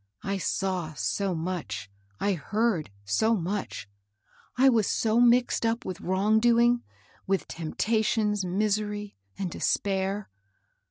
I saw so much, I heard so much, — I was so mixed up with wrong doing, with temp tations, misery, and despair.